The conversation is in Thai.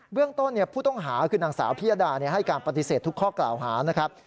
เรื่องต้นผู้ต้องหาคือนางสาวพิยดาให้การปฏิเสธทุกข้อกล่าวหานะครับ